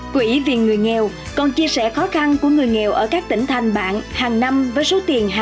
quỹ viên người nghèo còn chia sẻ khó khăn của người nghèo ở các tỉnh thành bạn hàng năm với số tiền hàng tuần